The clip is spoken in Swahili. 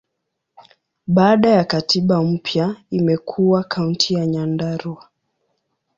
Baada ya katiba mpya, imekuwa Kaunti ya Nyandarua.